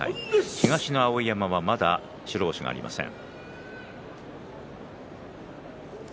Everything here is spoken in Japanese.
東が碧山まだ白星がありません。